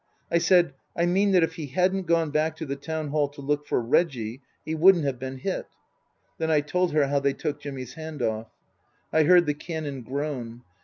I said, " I mean that if he hadn't gone back to the Town Hall to look for Reggie he wouldn't have been hit." Then I told her how they took Jimmy's hand off. I heard the Canon groan.